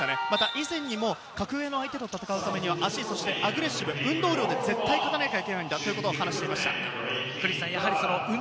以前にも格上の相手と戦うためには足、そしてアグレッシブ、運動量で絶対勝たなければいけないと話していました。